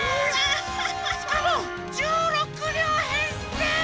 しかも１６りょうへんせい！